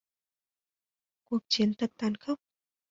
cuộc chiến thật tàn khốc